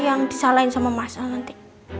yang disalahin sama masa nanti